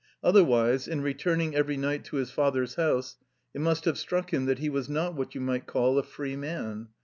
Otherwise, in returning every night to his father's house, it must have struck him that he was not what you might call a free man.